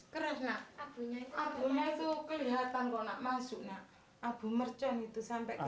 keras nak abunya itu kelihatan kalau nak masuk nak abu mercon itu sampai kelihatan